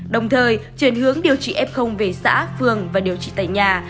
đồng thời chuyển hướng điều trị f về xã phường và điều trị tại nhà